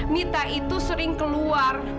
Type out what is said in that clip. mita itu sering keluar